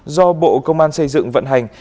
do bộ công an xây dựng vận hành